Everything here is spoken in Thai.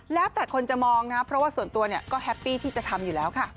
แล้วแต่คนจะมองนะเพราะว่าส่วนตัวเนี่ยก็แฮปปี้ที่จะทำอยู่แล้วค่ะ